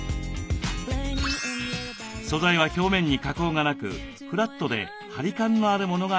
素材は表面に加工がなくフラットでハリ感のあるものが似合います。